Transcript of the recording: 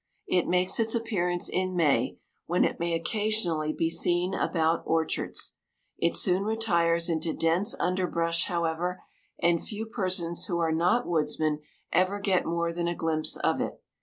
It makes its appearance in May, when it may occasionally be seen about orchards. It soon retires into dense underbrush, however, and few persons who are not woodsmen ever get more than a glimpse of it.